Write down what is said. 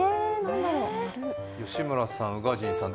吉村さん、宇賀神さん